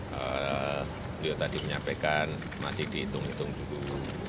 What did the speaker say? beliau tadi menyampaikan masih dihitung hitung dulu